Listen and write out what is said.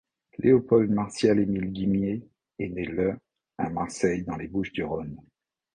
Léopold Martial Émile Gimié est né le à Marseille dans les Bouches-du-Rhône.